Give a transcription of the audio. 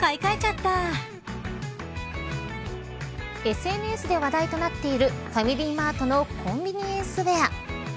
ＳＮＳで話題となっているファミリーマートのコンビニエンスウェア。